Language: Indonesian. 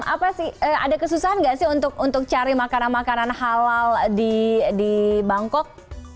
apa sih ada kesusahan nggak sih untuk cari makanan makanan halal di bangkok